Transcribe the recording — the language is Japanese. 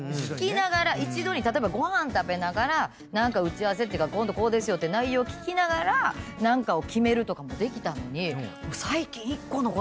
一度に例えばご飯食べながら何か打ち合わせっていうか今度こうですよって内容聞きながら何かを決めるとかもできたのに。